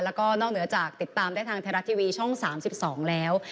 แล้วก็นอกเหนือจากติดตามได้ทางไทยรัฐทีวีช่อง๓๒แล้ว